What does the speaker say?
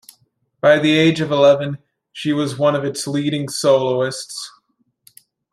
By the age of eleven, she was one of its leading soloists.